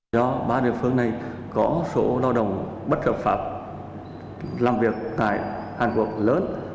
do ba địa phương này có số lao động bất hợp pháp làm việc tại hàn quốc lớn